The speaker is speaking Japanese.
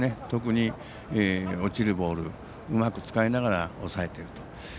特に落ちるボールうまくつかいながら抑えていると。